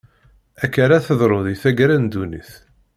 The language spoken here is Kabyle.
Akka ara teḍru di taggara n ddunit.